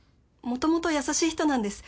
もともと優しい人なんです。